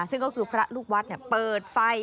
ซึ่งก็คือพระลูกวัดเปิดไฟ